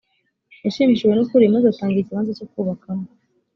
yashimishijwe n ukuri maze atanga ikibanza cyo kubakamo